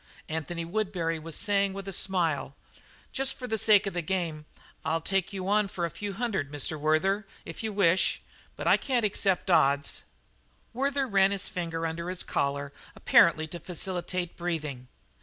Anthony Woodbury was saying with a smile: "Just for the sake of the game, I'll take you on for a few hundred, Mr. Werther, if you wish, but I can't accept odds." Werther ran a finger under his collar apparently to facilitate breathing.